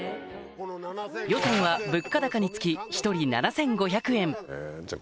予算は物価高につき１人７５００円じゃあ